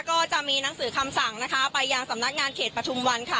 ก็จะมีหนังสือคำสั่งนะคะไปยังสำนักงานเขตปฐุมวันค่ะ